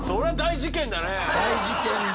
大事件だ。